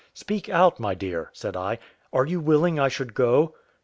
] "Speak out, my dear," said I; "are you willing I should go?"